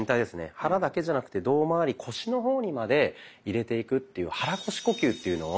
腹だけじゃなくて胴まわり腰の方にまで入れていくという「肚腰呼吸」というのを。